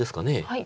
はい。